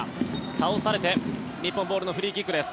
倒されて日本ボールのフリーキックです。